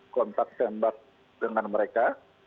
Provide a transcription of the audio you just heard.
kontak tembak dengan mereka